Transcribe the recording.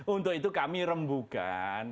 untuk itu kami rembukan